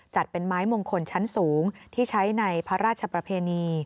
เป็นไม้มงคลชั้นสูงที่ใช้ในพระราชประเพณี